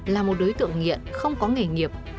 là một đối tượng nghiện không có nghề nghiệp